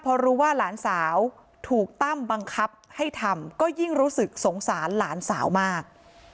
พอรู้ว่าหลานสาวถูกตั้มบังคับให้ทำก็ยิ่งรู้สึกสงสารหลานสาวมาก